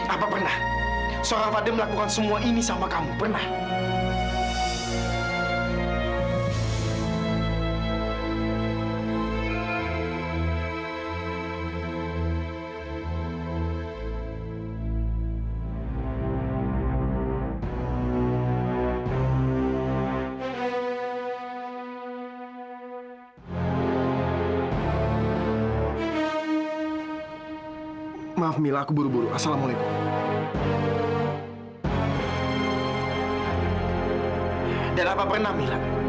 apa pernah dia buat kamu kecewa berkali kali